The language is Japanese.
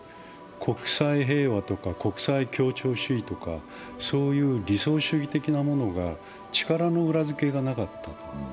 国際平和とか国際協調主義とかそういう理想主義的なものが力の裏付けがなかった。